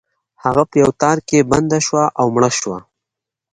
هغه په یو تار کې بنده شوه او مړه شوه.